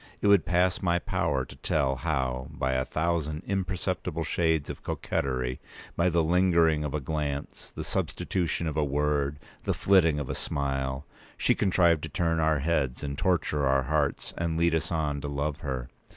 It would pass my power to tell how, by a thousand imperceptible shades of coquetry—by the lingering of a glance, the substitution of a word, the flitting of a smile—she contrived to turn our heads, and torture our hearts, and lead us on to love her.